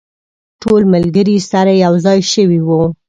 ټول ملګري سره یو ځای شوي وو.